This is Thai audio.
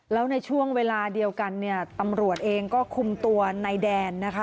แล้วในช่วงเวลาเดียวกันเนี่ยตำรวจเองก็คุมตัวในแดนนะคะ